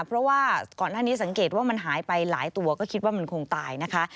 เพราะว่าก่อนหน้านี้สังเกตว่ามันหายไปหลายตัวก็คิดว่ามันคงตายนะคะ